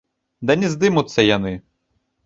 Да не здымуцца яны!